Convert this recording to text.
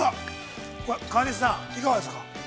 ◆川西さん、いかがですか。